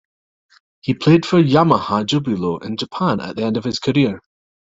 He played for Yamaha Jubilo in Japan at the end of his career.